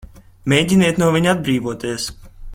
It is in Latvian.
Mēģiniet no viņa atbrīvoties!